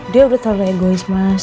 dia udah terlalu egois mas